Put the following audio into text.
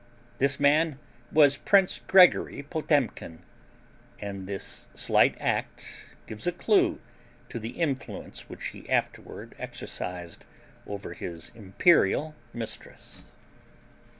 This man was Prince Gregory Potemkin, and this slight act gives a clue to the influence which he afterward exercised over his imperial mistress!